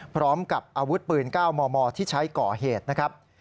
พร้อมกับอาวุธปืน๙มมที่ใช้ก่อเหตุนะครับ